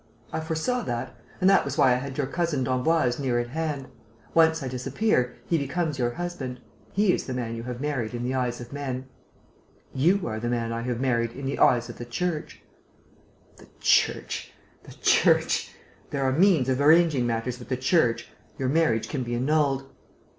I foresaw that; and that was why I had your cousin d'Emboise near at hand. Once I disappear, he becomes your husband. He is the man you have married in the eyes of men." "You are the man I have married in the eyes of the Church." "The Church! The Church! There are means of arranging matters with the Church.... Your marriage can be annulled."